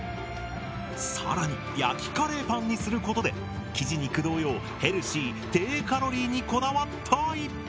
更に焼きカレーパンにすることできじ肉同様ヘルシー・低カロリーにこだわった逸品です！